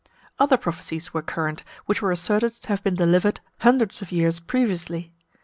Other prophecies were current, which were asserted to have been delivered hundreds of years previously.